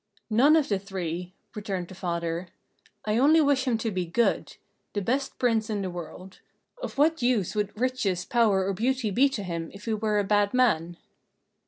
"None of the three," returned the father. "I only wish him to be good the best Prince in the world. Of what use would riches, power, or beauty be to him if he were a bad man?"